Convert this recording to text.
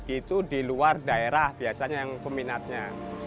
itu di luar daerah biasanya yang peminatnya